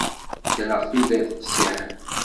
Ddreɣ tudert qessiḥen.